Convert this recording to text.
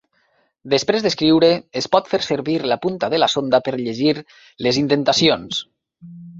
Després d'escriure, es pot fer servir la punta de la sonda per llegir les indentacions.